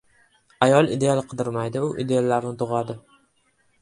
Ayol ideal qidirmaydi, u “ideal”larni tug‘adi.